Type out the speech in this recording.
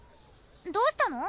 どうしたの？